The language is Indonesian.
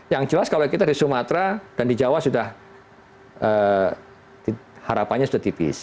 yang jelas kalau kita di sumatera dan di jawa sudah harapannya sudah tipis